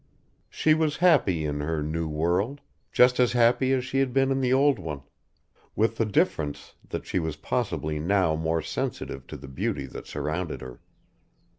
She was happy in her new world just as happy as she had been in the old one with the difference that she was possibly now more sensitive to the beauty that surrounded her.